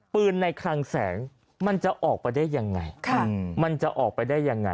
ปืนในคลังแสงมันจะออกไปได้ยังไง